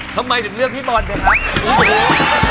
ทำไมถึงเลือกพี่บอลไปครับ